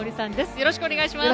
よろしくお願いします。